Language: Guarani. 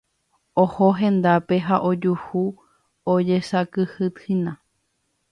Oho hendápe ha ojuhu ojesakytýhina.